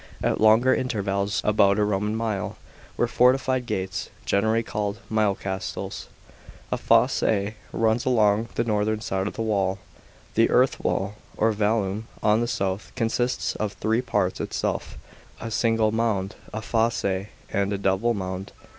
At longer intervals (about a Roman mile) were fortified gates, generally called "mile castles." A fosse runs along the northern | side of the wall. (2) The earth wall, or ^ vallum, on the south, consists of three | parts itself: a single mound, a fosse, and I* a double mound.